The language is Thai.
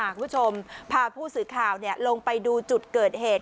คุณผู้ชมพาผู้สื่อข่าวลงไปดูจุดเกิดเหตุ